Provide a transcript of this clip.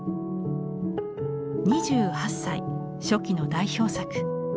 ２８歳初期の代表作。